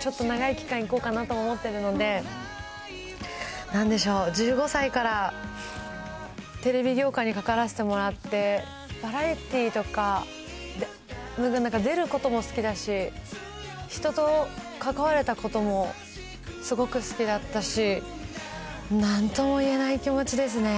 ちょっと長い期間、行こうかなと思ってるので、なんでしょう、１５歳からテレビ業界に関わらせてもらって、バラエティとか、なんか出ることも好きだし、人と関われたこともすごく好きだったし、なんとも言えない気持ちですね。